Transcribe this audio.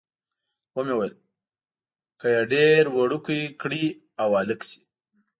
ومې ویل، که یې ډېره وړوکې کړي او هلک شي.